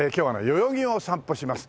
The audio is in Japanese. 代々木を散歩します。